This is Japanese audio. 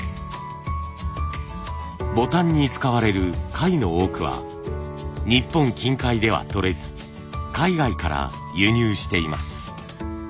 ボタンに使われる貝の多くは日本近海ではとれず海外から輸入しています。